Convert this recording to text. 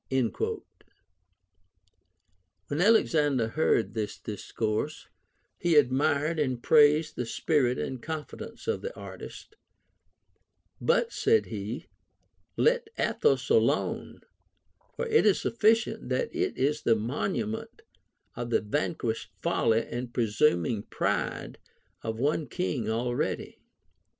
Wlien Alexander heard this discourse, he admired and praised the spirit and confidence of the artist ;" But," said he, " let Athos alone ; for it is sufiicient that it is the mon ument of the vanquished folly and presuming pride of one king already.